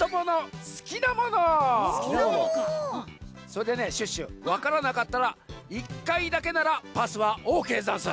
それでねシュッシュわからなかったら１かいだけならパスはオーケーざんす。